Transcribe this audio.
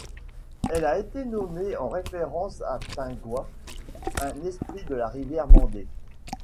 Elle a été nommée en référence à Tingoi, un esprit de la rivière mandé.